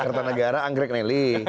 kertanegara anggrek nelly